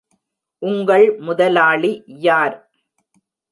உங்கள் முதலாளி யார்?